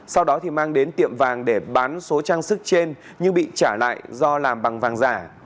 sau đó thì mang đến tiệm vàng để bán số trang sức trên nhưng bị trả lại do làm bằng vàng giả